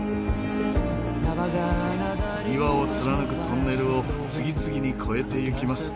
岩を貫くトンネルを次々に越えてゆきます。